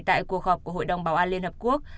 tại cuộc họp của hội đồng bảo an liên hợp quốc